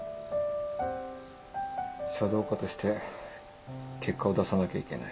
書道家として結果を出さなきゃいけない。